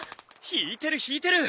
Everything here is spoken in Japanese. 引いてる引いてる！